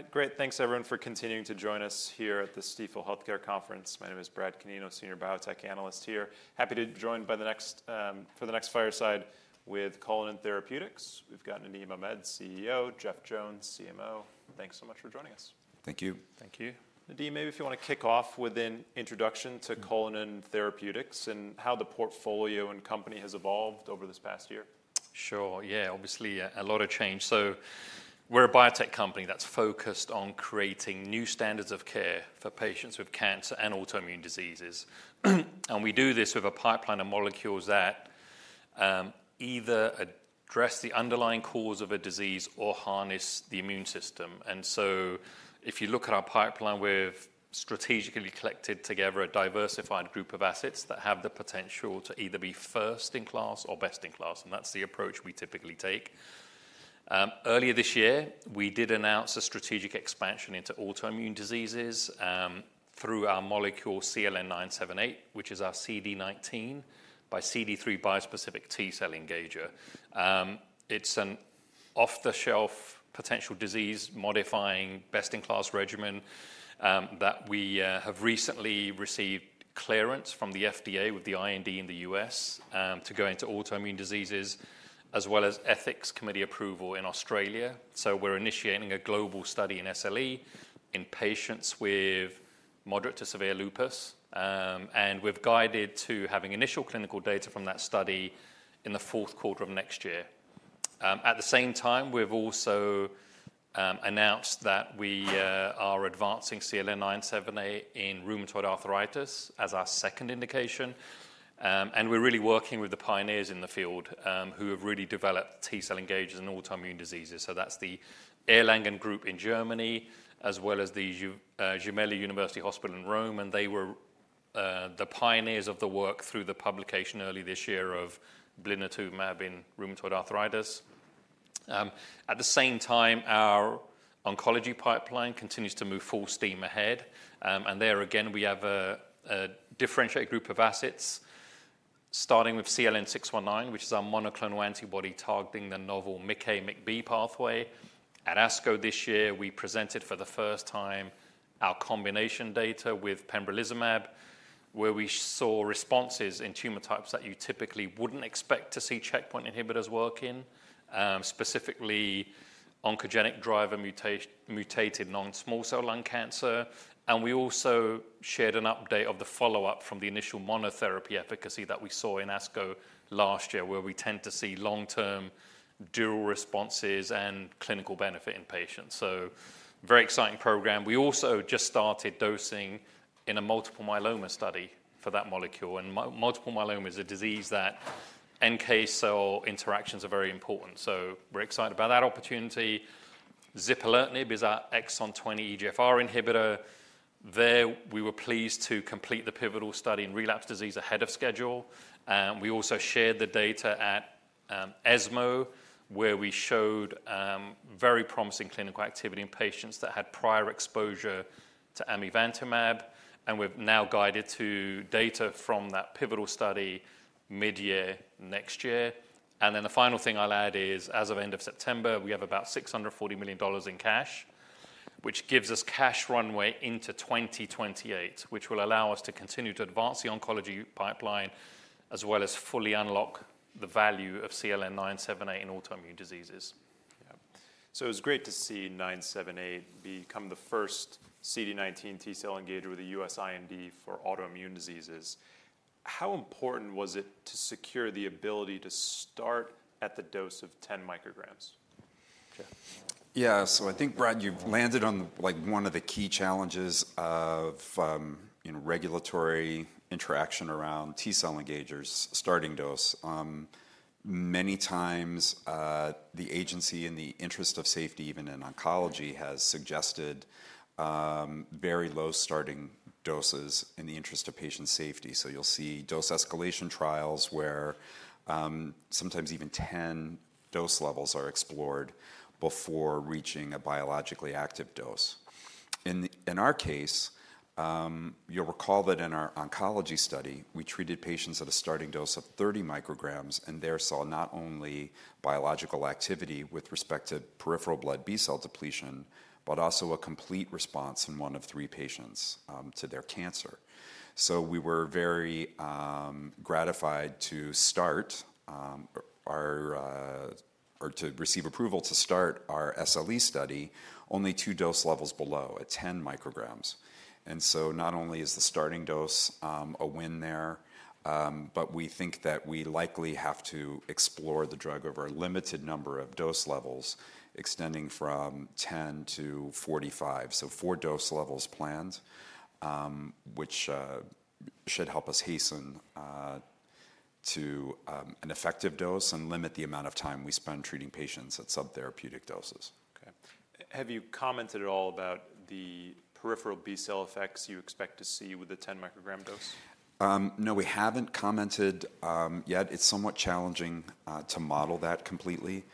All right, great. Thanks, everyone, for continuing to join us here at the Stifel Healthcare Conference. My name is Brad Canino, Senior Biotech Analyst here. Happy to be joined by the next fireside with Cullinan Therapeutics. We've got Nadim Ahmed, CEO; Jeff Jones, CMO. Thanks so much for joining us. Thank you. Thank you. Nadim, maybe if you want to kick off with an introduction to Cullinan Therapeutics and how the portfolio and company has evolved over this past year. Sure. Yeah, obviously, a lot of change. So we're a biotech company that's focused on creating new standards of care for patients with cancer and autoimmune diseases. And we do this with a pipeline of molecules that either address the underlying cause of a disease or harness the immune system. And so if you look at our pipeline, we've strategically collected together a diversified group of assets that have the potential to either be first in class or best in class. And that's the approach we typically take. Earlier this year, we did announce a strategic expansion into autoimmune diseases through our molecule CLN-978, which is our CD19xCD3 bispecific T cell engager. It's an off-the-shelf potential disease-modifying best-in-class regimen that we have recently received clearance from the FDA with the IND in the U.S. to go into autoimmune diseases, as well as Ethics Committee approval in Australia. So we're initiating a global study in SLE in patients with moderate to severe lupus, and we've guided to having initial clinical data from that study in the fourth quarter of next year. At the same time, we've also announced that we are advancing CLN-978 in rheumatoid arthritis as our second indication, and we're really working with the pioneers in the field who have really developed T cell engagers in autoimmune diseases, so that's the Erlangen Group in Germany, as well as the Gemelli University Hospital in Rome, and they were the pioneers of the work through the publication early this year of blinatumomab in rheumatoid arthritis. At the same time, our oncology pipeline continues to move full steam ahead, and there, again, we have a differentiated group of assets, starting with CLN-619, which is our monoclonal antibody targeting the novel MICA/MICB pathway. At ASCO this year, we presented for the first time our combination data with pembrolizumab, where we saw responses in tumor types that you typically wouldn't expect to see checkpoint inhibitors work in, specifically oncogenic driver mutated non-small cell lung cancer, and we also shared an update of the follow-up from the initial monotherapy efficacy that we saw in ASCO last year, where we tend to see long-term durable responses and clinical benefit in patients, so very exciting program. We also just started dosing in a multiple myeloma study for that molecule, and multiple myeloma is a disease that NK cell interactions are very important, so we're excited about that opportunity. Zipalertinib is our Exon 20 EGFR inhibitor. There, we were pleased to complete the pivotal study in relapsed disease ahead of schedule. We also shared the data at ESMO, where we showed very promising clinical activity in patients that had prior exposure to amivantamab, and we've now guided to data from that pivotal study mid-year next year, and then the final thing I'll add is, as of end of September, we have about $640 million in cash, which gives us cash runway into 2028, which will allow us to continue to advance the oncology pipeline, as well as fully unlock the value of CLN-978 in autoimmune diseases. Yeah. So it was great to see 978 become the first CD19 T cell engager with the US IND for autoimmune diseases. How important was it to secure the ability to start at the dose of 10 micrograms? Yeah. So I think, Brad, you've landed on one of the key challenges of regulatory interaction around T cell engagers starting dose. Many times, the agency in the interest of safety, even in oncology, has suggested very low starting doses in the interest of patient safety. So you'll see dose escalation trials where sometimes even 10 dose levels are explored before reaching a biologically active dose. In our case, you'll recall that in our oncology study, we treated patients at a starting dose of 30 micrograms and there saw not only biological activity with respect to peripheral blood B cell depletion, but also a complete response in one of three patients to their cancer. So we were very gratified to receive approval to start our SLE study only two dose levels below at 10 micrograms. Not only is the starting dose a win there, but we think that we likely have to explore the drug over a limited number of dose levels extending from 10 to 45. Four dose levels planned, which should help us hasten to an effective dose and limit the amount of time we spend treating patients at subtherapeutic doses. Okay. Have you commented at all about the peripheral B cell effects you expect to see with the 10 microgram dose? No, we haven't commented yet. It's somewhat challenging to model that completely.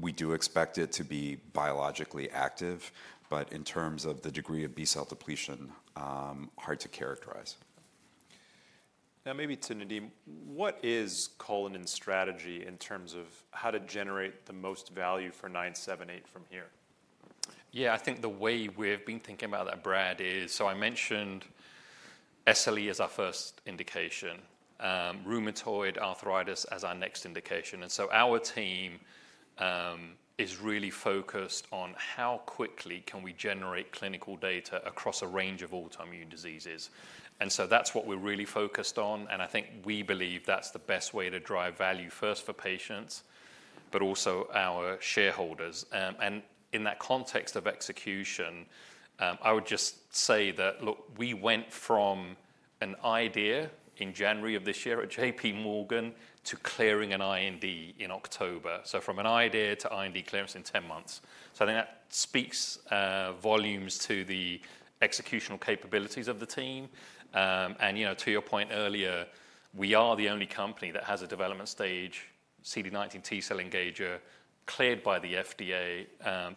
We do expect it to be biologically active, but in terms of the degree of B cell depletion, hard to characterize. Now, maybe to Nadim, what is Cullinan's strategy in terms of how to generate the most value for 978 from here? Yeah, I think the way we've been thinking about that, Brad, is so I mentioned SLE as our first indication, rheumatoid arthritis as our next indication, and so our team is really focused on how quickly can we generate clinical data across a range of autoimmune diseases, and so that's what we're really focused on, and I think we believe that's the best way to drive value first for patients, but also our shareholders, and in that context of execution, I would just say that, look, we went from an idea in January of this year at JPMorgan to clearing an IND in October, so from an idea to IND clearance in 10 months, so I think that speaks volumes to the executional capabilities of the team. And to your point earlier, we are the only company that has a development stage CD19 T-cell engager cleared by the FDA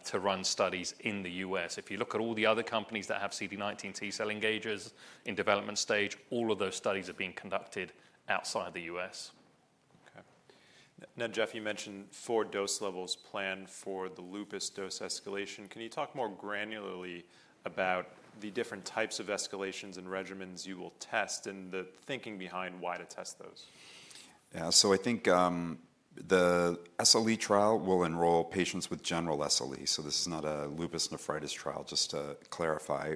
to run studies in the U.S. If you look at all the other companies that have CD19-T cell engagers in development stage, all of those studies are being conducted outside the U.S. Okay. Now, Jeff, you mentioned four dose levels planned for the lupus dose escalation. Can you talk more granularly about the different types of escalations and regimens you will test and the thinking behind why to test those? Yeah. So I think the SLE trial will enroll patients with general SLE. So this is not a lupus nephritis trial, just to clarify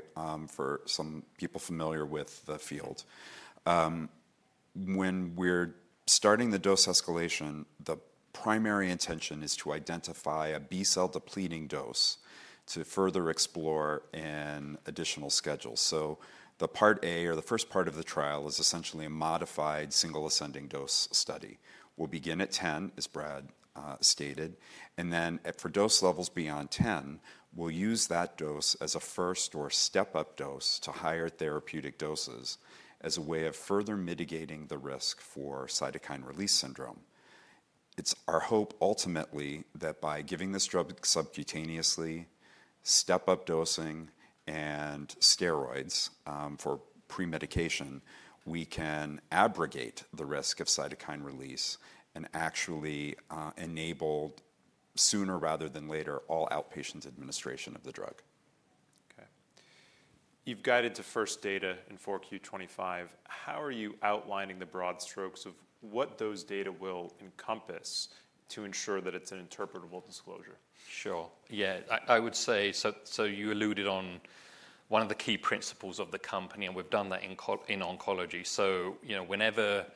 for some people familiar with the field. When we're starting the dose escalation, the primary intention is to identify a B cell depleting dose to further explore an additional schedule. So the part A or the first part of the trial is essentially a modified single ascending dose study. We'll begin at 10, as Brad stated. And then for dose levels beyond 10, we'll use that dose as a first or step-up dose to higher therapeutic doses as a way of further mitigating the risk for cytokine release syndrome. It's our hope ultimately that by giving this drug subcutaneously, step-up dosing, and steroids for pre-medication, we can abrogate the risk of cytokine release and actually enable, sooner rather than later, all outpatient administration of the drug. Okay. You've guided to first data in 4Q 2025. How are you outlining the broad strokes of what those data will encompass to ensure that it's an interpretable disclosure? Sure. Yeah. I would say, so you alluded on one of the key principles of the company, and we've done that in oncology. So whenever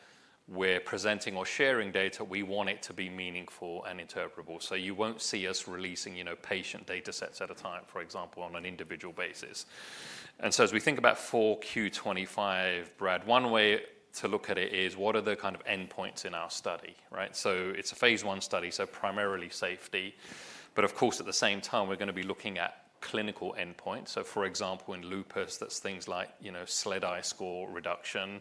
we're presenting or sharing data, we want it to be meaningful and interpretable. So you won't see us releasing patient data sets at a time, for example, on an individual basis. And so as we think about 4Q 2025, Brad, one way to look at it is, what are the kind of endpoints in our study? So it's a phase one study, so primarily safety. But of course, at the same time, we're going to be looking at clinical endpoints. So for example, in lupus, that's things like SLEDAI score reduction,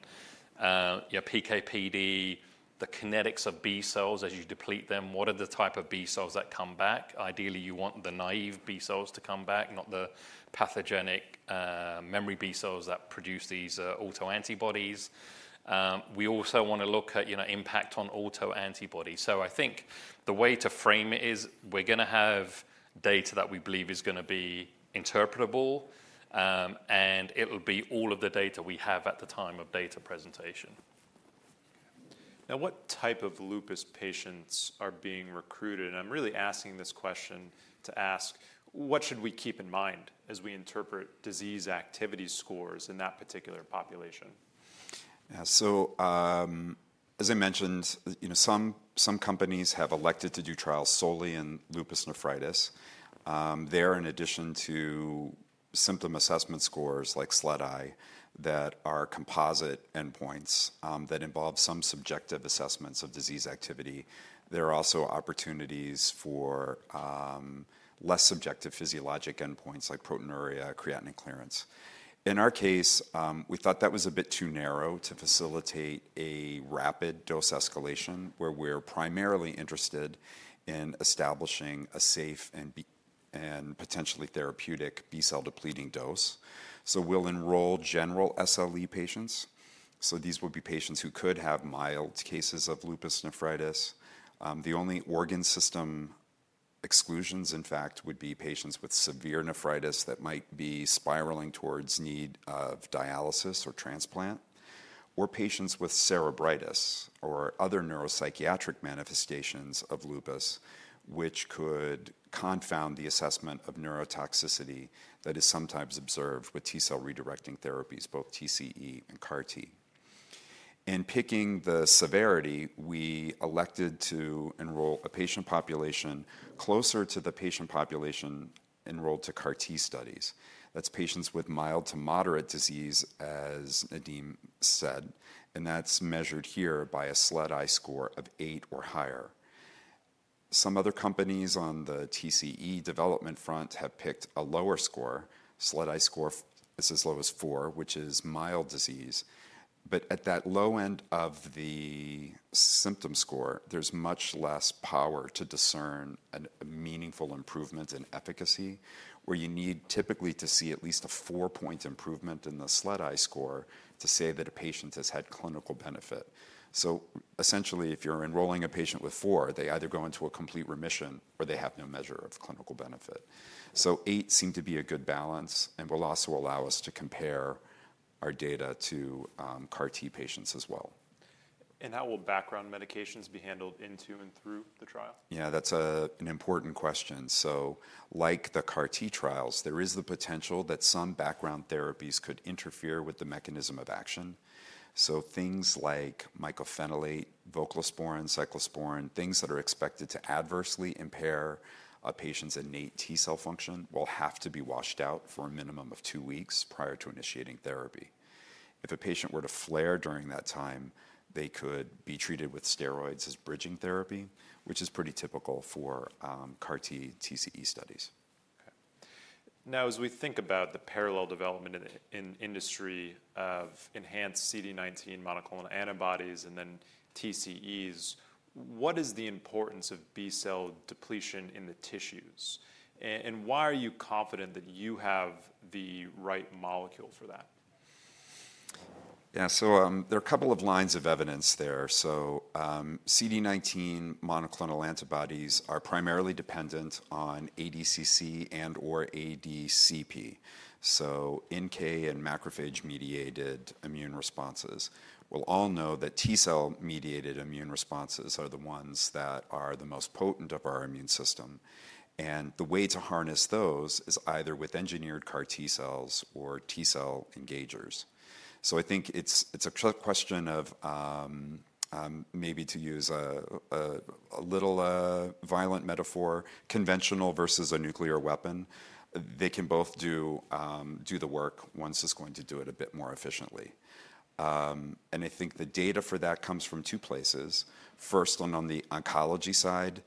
PK/PD, the kinetics of B cells as you deplete them. What are the type of B cells that come back? Ideally, you want the naive B cells to come back, not the pathogenic memory B cells that produce these autoantibodies. We also want to look at impact on autoantibodies. So I think the way to frame it is, we're going to have data that we believe is going to be interpretable, and it will be all of the data we have at the time of data presentation. Now, what type of lupus patients are being recruited? And I'm really asking this question to ask, what should we keep in mind as we interpret disease activity scores in that particular population? Yeah. So as I mentioned, some companies have elected to do trials solely in lupus nephritis. They're, in addition to symptom assessment scores like SLEDAI, that are composite endpoints that involve some subjective assessments of disease activity. There are also opportunities for less subjective physiologic endpoints like proteinuria, creatinine clearance. In our case, we thought that was a bit too narrow to facilitate a rapid dose escalation where we're primarily interested in establishing a safe and potentially therapeutic B cell depleting dose. So we'll enroll general SLE patients. So these will be patients who could have mild cases of lupus nephritis. The only organ system exclusions, in fact, would be patients with severe nephritis that might be spiraling towards need of dialysis or transplant, or patients with cerebritis or other neuropsychiatric manifestations of lupus, which could confound the assessment of neurotoxicity that is sometimes observed with T cell redirecting therapies, both SLEDAI score reduction, PK/PD. In picking the severity, we elected to enroll a patient population closer to the patient population enrolled to CAR-T studies. That's patients with mild to moderate disease, as Nadim said. And that's measured here by a SLEDAI score of eight or higher. Some other companies on the TCE development front have picked a lower score, SLEDAI score as low as four, which is mild disease. But at that low end of the symptom score, there's much less power to discern a meaningful improvement in efficacy, where you need typically to see at least a four-point improvement in the SLEDAI score to say that a patient has had clinical benefit. So essentially, if you're enrolling a patient with four, they either go into a complete remission or they have no measure of clinical benefit. So eight seemed to be a good balance and will also allow us to compare our data to CAR-T patients as well. How will background medications be handled into and through the trial? Yeah, that's an important question. So like the CAR-T trials, there is the potential that some background therapies could interfere with the mechanism of action. So things like mycophenolate, voclosporin, cyclosporin, things that are expected to adversely impair a patient's innate T cell function will have to be washed out for a minimum of two weeks prior to initiating therapy. If a patient were to flare during that time, they could be treated with steroids as bridging therapy, which is pretty typical for CAR-T TCE studies. Okay. Now, as we think about the parallel development in the industry of enhanced CD19 monoclonal antibodies and then TCEs, what is the importance of B cell depletion in the tissues? And why are you confident that you have the right molecule for that? Yeah. So there are a couple of lines of evidence there. So CD19 monoclonal antibodies are primarily dependent on ADCC and/or ADCP, so NK and macrophage-mediated immune responses. We all know that T cell-mediated immune responses are the ones that are the most potent of our immune system. And the way to harness those is either with engineered CAR-T cells or T cell engagers. So I think it's a question of maybe to use a little violent metaphor, conventional versus a nuclear weapon. They can both do the work, one's going to do it a bit more efficiently. And I think the data for that comes from two places. First, on the oncology side,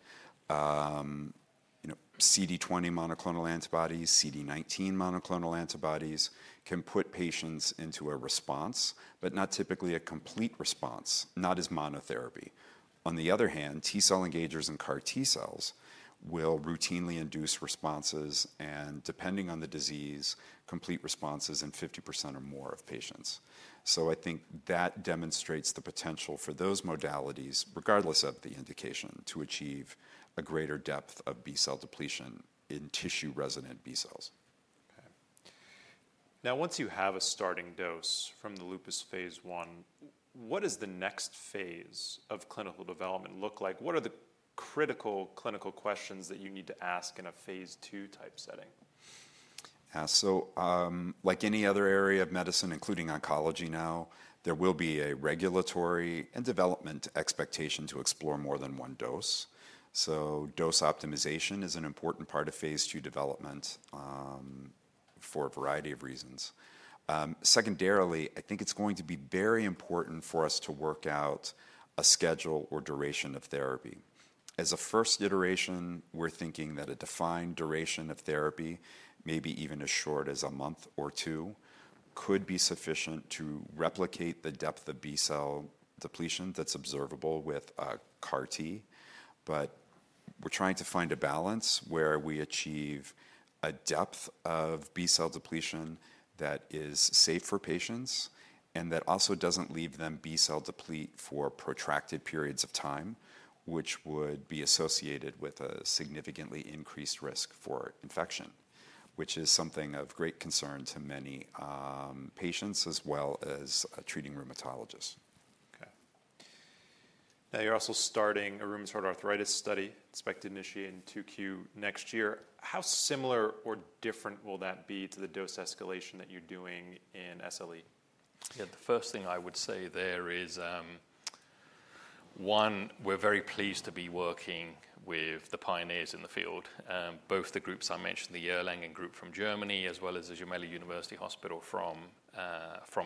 CD20 monoclonal antibodies, CD19 monoclonal antibodies can put patients into a response, but not typically a complete response, not as monotherapy. On the other hand, T cell engagers and CAR-T cells will routinely induce responses and, depending on the disease, complete responses in 50% or more of patients. So I think that demonstrates the potential for those modalities, regardless of the indication, to achieve a greater depth of B cell depletion in tissue-resident B cells. Okay. Now, once you have a starting dose from the lupus phase one, what does the next phase of clinical development look like? What are the critical clinical questions that you need to ask in a phase two type setting? Yeah, so like any other area of medicine, including oncology now, there will be a regulatory and development expectation to explore more than one dose, so dose optimization is an important part of phase II development for a variety of reasons. Secondarily, I think it's going to be very important for us to work out a schedule or duration of therapy. As a first iteration, we're thinking that a defined duration of therapy, maybe even as short as a month or two, could be sufficient to replicate the depth of B cell depletion that's observable with CAR-T. But we're trying to find a balance where we achieve a depth of B cell depletion that is safe for patients and that also doesn't leave them B cell deplete for protracted periods of time, which would be associated with a significantly increased risk for infection, which is something of great concern to many patients as well as treating rheumatologists. Okay. Now, you're also starting a rheumatoid arthritis study expected to initiate in 2Q next year. How similar or different will that be to the dose escalation that you're doing in SLE? Yeah. The first thing I would say there is, one, we're very pleased to be working with the pioneers in the field, both the groups I mentioned, the Erlangen group from Germany, as well as the Gemelli University Hospital from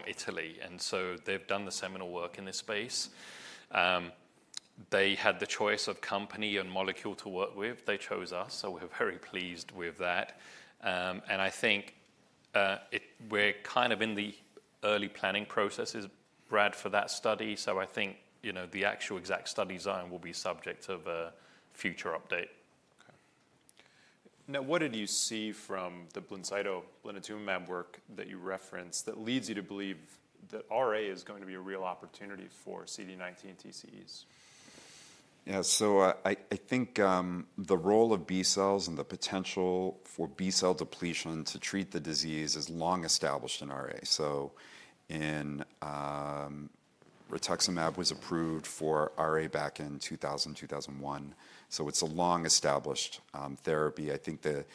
Italy. And so they've done the seminal work in this space. They had the choice of company and molecule to work with. They chose us. So we're very pleased with that. And I think we're kind of in the early planning processes, Brad, for that study. So I think the actual exact study design will be subject to a future update. Okay. Now, what did you see from the blinatumomab work that you referenced that leads you to believe that RA is going to be a real opportunity for CD19 TCEs? Yeah. So I think the role of B cells and the potential for B cell depletion to treat the disease is long established in RA. So rituximab was approved for RA back in 2000, 2001. So it's a long-established therapy. I think the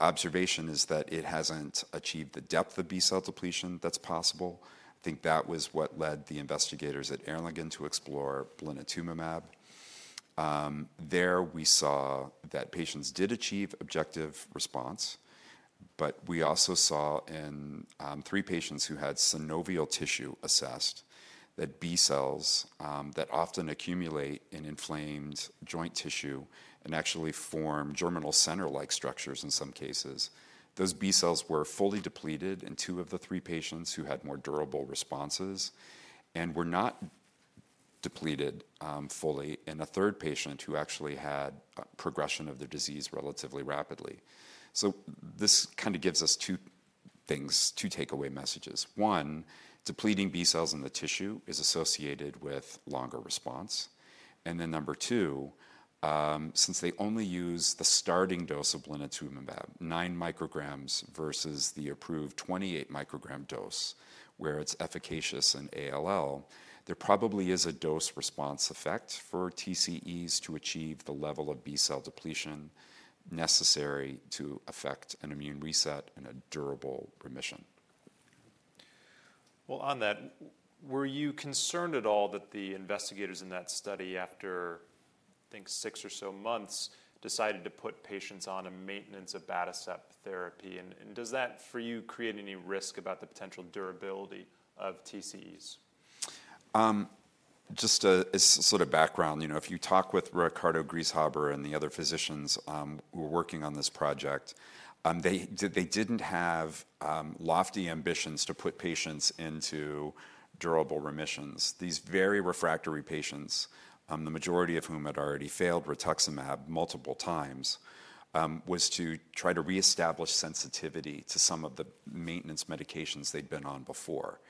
observation is that it hasn't achieved the depth of B cell depletion that's possible. I think that was what led the investigators at Erlangen to explore blinatumomab. There, we saw that patients did achieve objective response. But we also saw in three patients who had synovial tissue assessed that B cells that often accumulate in inflamed joint tissue and actually form germinal center-like structures in some cases, those B cells were fully depleted in two of the three patients who had more durable responses and were not depleted fully in a third patient who actually had progression of the disease relatively rapidly. This kind of gives us two things, two takeaway messages. One, depleting B cells in the tissue is associated with longer response. And then number two, since they only use the starting dose of blinatumomab, nine micrograms versus the approved 28-microgram dose, where it's efficacious in ALL, there probably is a dose-response effect for TCEs to achieve the level of B cell depletion necessary to affect an immune reset and a durable remission. On that, were you concerned at all that the investigators in that study, after, I think, six or so months, decided to put patients on a maintenance of abatacept therapy? And does that, for you, create any risk about the potential durability of TCEs? Just as sort of background, if you talk with Ricardo Grieshaber-Bouyer and the other physicians who were working on this project, they didn't have lofty ambitions to put patients into durable remissions. These very refractory patients, the majority of whom had already failed rituximab multiple times, was to try to reestablish sensitivity to some of the maintenance medications they'd been on before.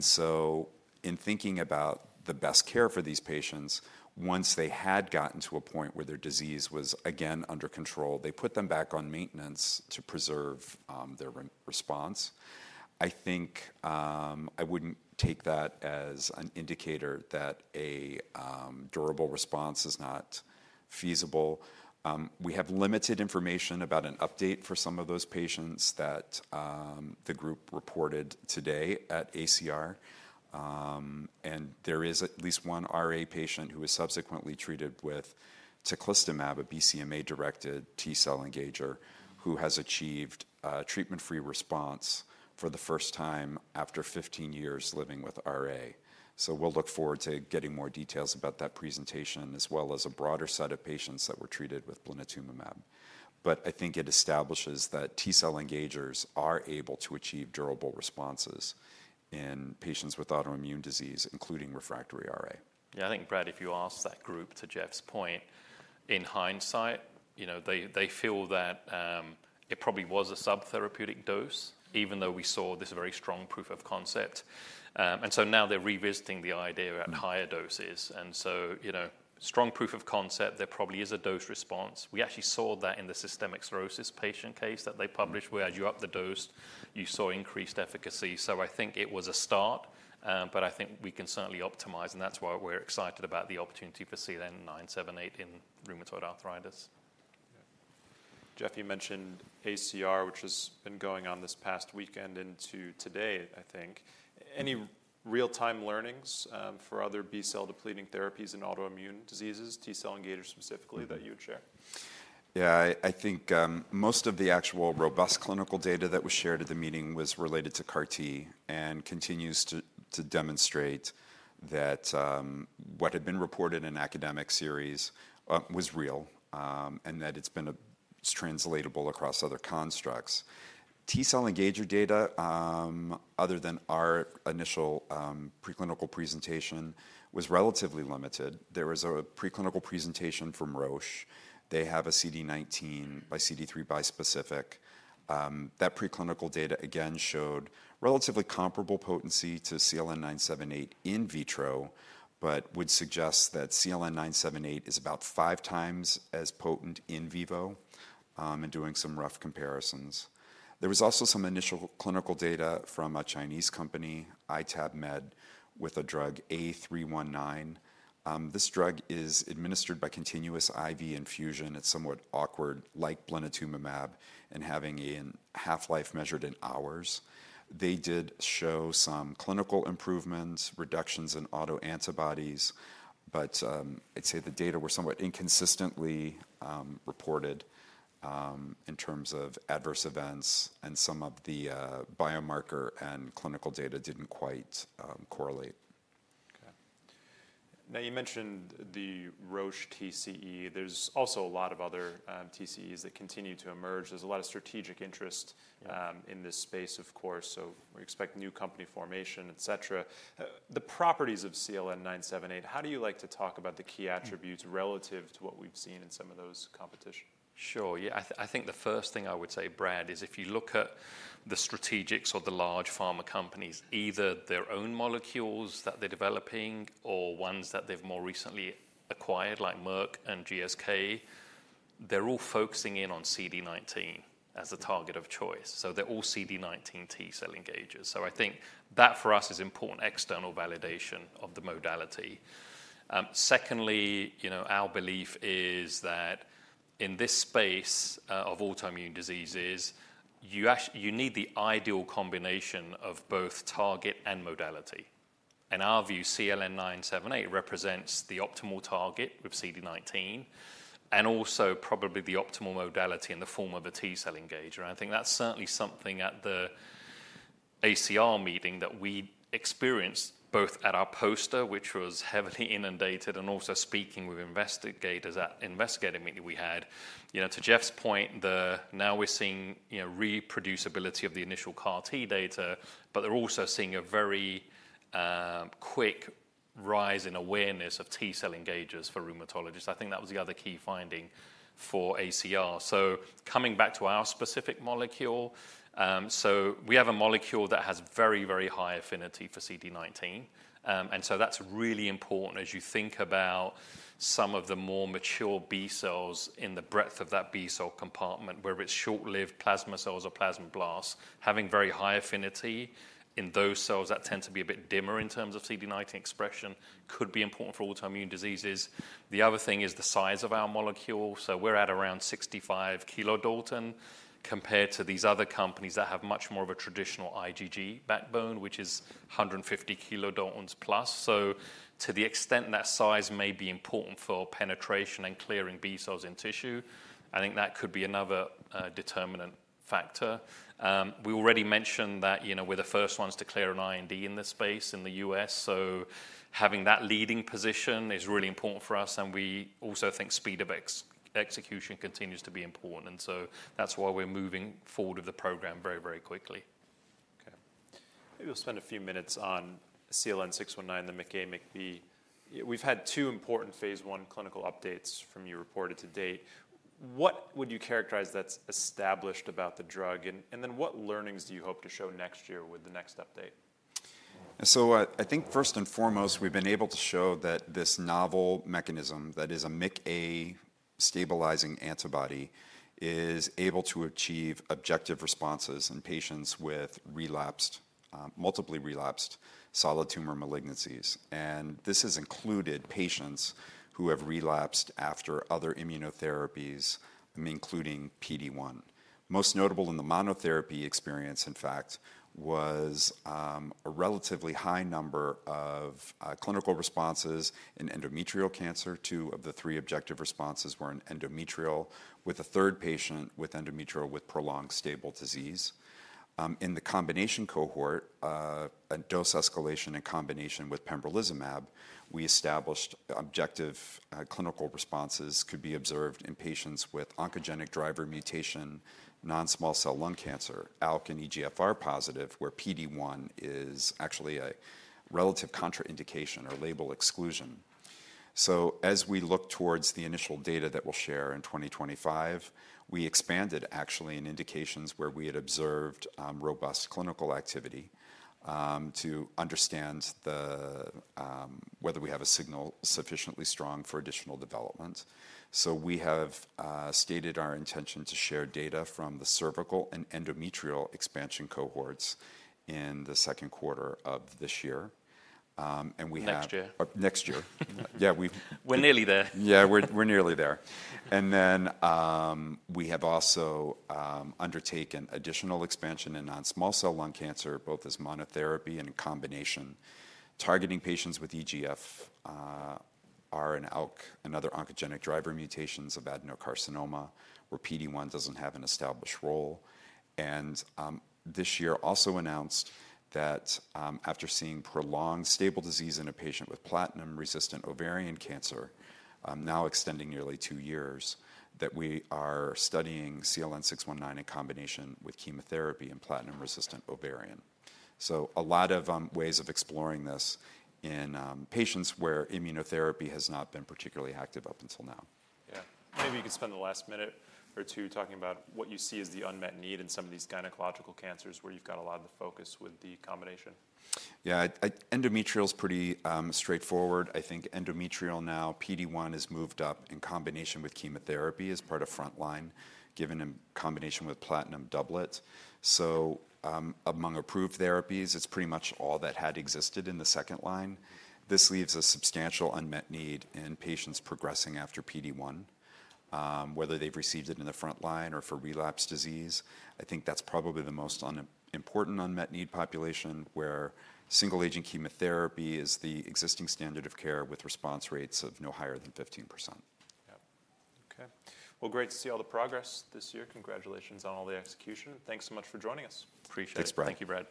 So in thinking about the best care for these patients, once they had gotten to a point where their disease was again under control, they put them back on maintenance to preserve their response. I think I wouldn't take that as an indicator that a durable response is not feasible. We have limited information about an update for some of those patients that the group reported today at ACR. And there is at least one RA patient who was subsequently treated with teclistamab, a BCMA-directed T cell engager, who has achieved a treatment-free response for the first time after 15 years living with RA. So we'll look forward to getting more details about that presentation as well as a broader set of patients that were treated with blinatumomab. But I think it establishes that T cell engagers are able to achieve durable responses in patients with autoimmune disease, including refractory RA. Yeah. I think, Brad, if you ask that group, to Jeff's point, in hindsight, they feel that it probably was a subtherapeutic dose, even though we saw this very strong proof of concept. And so now they're revisiting the idea at higher doses. And so strong proof of concept, there probably is a dose response. We actually saw that in the systemic sclerosis patient case that they published, where you upped the dose, you saw increased efficacy. So I think it was a start, but I think we can certainly optimize. And that's why we're excited about the opportunity for CLN-978 in rheumatoid arthritis. Yeah. Jeff, you mentioned ACR, which has been going on this past weekend into today, I think. Any real-time learnings for other B cell depleting therapies in autoimmune diseases, T cell engagers specifically, that you would share? Yeah. I think most of the actual robust clinical data that was shared at the meeting was related to CAR-T and continues to demonstrate that what had been reported in an academic series was real and that it's been translatable across other constructs. T cell engager data, other than our initial preclinical presentation, was relatively limited. There was a preclinical presentation from Roche. They have a CD19 by CD3 bispecific. That preclinical data, again, showed relatively comparable potency to CLN-978 in vitro, but would suggest that CLN-978 is about five times as potent in vivo, in doing some rough comparisons. There was also some initial clinical data from a Chinese company, ITabMed, with a drug A-319. This drug is administered by continuous IV infusion. It's somewhat awkward, like blinatumomab, and having a half-life measured in hours. They did show some clinical improvements, reductions in autoantibodies, but I'd say the data were somewhat inconsistently reported in terms of adverse events, and some of the biomarker and clinical data didn't quite correlate. Okay. Now, you mentioned the Roche TCE. There's also a lot of other TCEs that continue to emerge. There's a lot of strategic interest in this space, of course. So we expect new company formation, et cetera. The properties of CLN-978, how do you like to talk about the key attributes relative to what we've seen in some of those competitors? Sure. Yeah. I think the first thing I would say, Brad, is if you look at the strategics of the large pharma companies, either their own molecules that they're developing or ones that they've more recently acquired, like Merck and GSK, they're all focusing in on CD19 as a target of choice. So they're all CD19 T cell engagers. So I think that for us is important external validation of the modality. Secondly, our belief is that in this space of autoimmune diseases, you need the ideal combination of both target and modality. In our view, CLN-978 represents the optimal target with CD19 and also probably the optimal modality in the form of a T cell engager. And I think that's certainly something at the ACR meeting that we experienced both at our poster, which was heavily inundated, and also speaking with investigators at the investigator meeting we had. To Jeff's point, now we're seeing reproducibility of the initial CAR-T data, but they're also seeing a very quick rise in awareness of T cell engagers for rheumatologists. I think that was the other key finding for ACR, so coming back to our specific molecule, so we have a molecule that has very, very high affinity for CD19, and so that's really important as you think about some of the more mature B cells in the breadth of that B cell compartment, whether it's short-lived plasma cells or plasma blasts, having very high affinity in those cells that tend to be a bit dimmer in terms of CD19 expression could be important for autoimmune diseases. The other thing is the size of our molecule, so we're at around 65 kilodalton compared to these other companies that have much more of a traditional IgG backbone, which is 150 kilodalton plus. So to the extent that size may be important for penetration and clearing B cells in tissue, I think that could be another determinant factor. We already mentioned that we're the first ones to clear an IND in this space in the U.S. So having that leading position is really important for us. And we also think speed of execution continues to be important. And so that's why we're moving forward with the program very, very quickly. Okay. Maybe we'll spend a few minutes on CLN-619, the MICA/MICB. We've had two important phase 1 clinical updates from you reported to date. What would you characterize that's established about the drug? And then what learnings do you hope to show next year with the next update? I think first and foremost, we've been able to show that this novel mechanism that is a MICA stabilizing antibody is able to achieve objective responses in patients with relapsed, multiply relapsed solid tumor malignancies. This has included patients who have relapsed after other immunotherapies, including PD-1. Most notable in the monotherapy experience, in fact, was a relatively high number of clinical responses in endometrial cancer. Two of the three objective responses were in endometrial, with a third patient with endometrial with prolonged stable disease. In the combination cohort, a dose escalation in combination with pembrolizumab, we established objective clinical responses could be observed in patients with oncogenic driver mutation, non-small cell lung cancer, ALK and EGFR positive, where PD-1 is actually a relative contraindication or label exclusion. So as we look towards the initial data that we'll share in 2025, we expanded actually in indications where we had observed robust clinical activity to understand whether we have a signal sufficiently strong for additional development. So we have stated our intention to share data from the cervical and endometrial expansion cohorts in the second quarter of this year. And we have. Next year. Next year. Yeah. We're nearly there. Yeah. We're nearly there. And then we have also undertaken additional expansion in non-small cell lung cancer, both as monotherapy and in combination, targeting patients with EGFR and ALK and other oncogenic driver mutations of adenocarcinoma, where PD-1 doesn't have an established role. And this year also announced that after seeing prolonged stable disease in a patient with platinum-resistant ovarian cancer, now extending nearly two years, that we are studying CLN-619 in combination with chemotherapy in platinum-resistant ovarian. So a lot of ways of exploring this in patients where immunotherapy has not been particularly active up until now. Yeah. Maybe you could spend the last minute or two talking about what you see as the unmet need in some of these gynecological cancers where you've got a lot of the focus with the combination. Yeah. Endometrial is pretty straightforward. I think endometrial now, PD-1 has moved up in combination with chemotherapy as part of front line, given in combination with platinum doublet. So among approved therapies, it's pretty much all that had existed in the second line. This leaves a substantial unmet need in patients progressing after PD-1, whether they've received it in the front line or for relapsed disease. I think that's probably the most important unmet need population, where single-agent chemotherapy is the existing standard of care with response rates of no higher than 15%. Yeah. Okay. Well, great to see all the progress this year. Congratulations on all the execution. Thanks so much for joining us. Appreciate it. Thanks, Brad. Thank you, Brad.